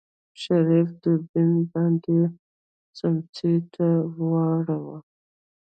شريف دوربين بندې سمڅې ته واړوه.